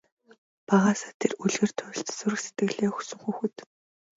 Багаасаа тэр үлгэр туульст зүрх сэтгэлээ өгсөн хүүхэд.